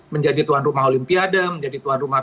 menjadi tuan rumah olimpiade menjadi tuan rumah